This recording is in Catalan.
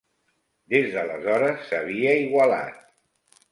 Des d'aleshores s'havia igualat.